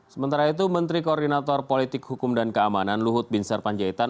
sementara itu menteri koordinator politik hukum dan keamanan luhut bin sarpanjaitan